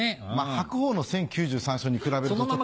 白鵬の１０９３勝に比べると。